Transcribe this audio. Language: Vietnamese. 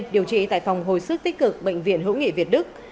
điều trị tại phòng hồi sức tích cực bệnh viện hữu nghị việt đức